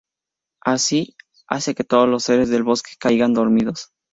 Así, hace que todos los seres del bosque caigan dormidos.